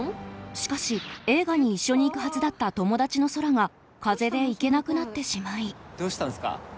しかし映画に一緒に行くはずだった友達の空が風邪で行けなくなってしまいどうしたんすか？